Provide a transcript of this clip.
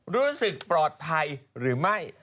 รู้สึกปลอดภัยหรือไม่